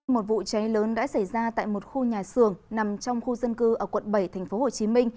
một vụ cháy lớn đã xảy ra tại một khu nhà xưởng nằm trong khu dân cư ở quận bảy tp hcm